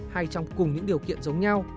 hay trong cùng những điều kiện giống nhau